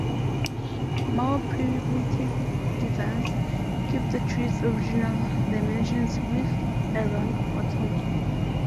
More primitive designs keep the tree's original dimensions, with a round bottom.